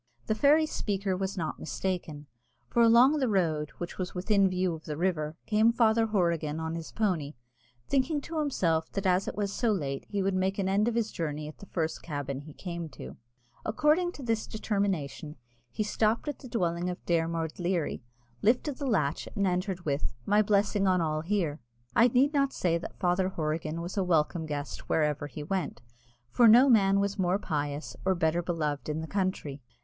The fairy speaker was not mistaken; for along the road, which was within view of the river, came Father Horrigan on his pony, thinking to himself that as it was so late he would make an end of his journey at the first cabin he came to. According to this determination, he stopped at the dwelling of Dermod Leary, lifted the latch, and entered with "My blessing on all here." I need not say that Father Horrigan was a welcome guest wherever he went, for no man was more pious or better beloved in the country.